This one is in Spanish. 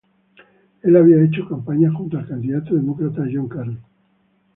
Él había hecho campaña junto al candidato demócrata John Kerry.